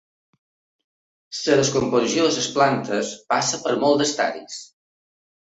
La descomposició de les plantes passa per molts estadis.